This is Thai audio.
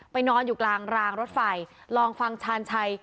นอนอยู่กลางรางรถไฟลองฟังชาญชัย